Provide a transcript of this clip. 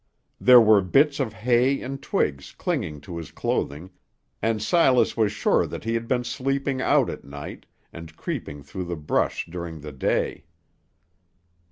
There were bits of hay and twigs clinging to his clothing, and Silas was sure that he had been sleeping out at night, and creeping through the brush during the day.